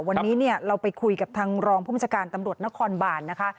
วันนี้เนี่ยเราไปคุยกับทางรองผู้บัญชาการตำรวจนครบานนะคะ